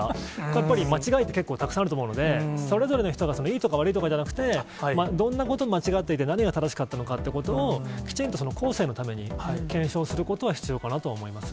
やっぱり間違いって結構たくさんあると思うので、それぞれの人がいいとか悪いとかじゃなくて、どんなことが間違っていて、何が正しかったのかということを、きちんと後世のために検証することは必要かなとは思います。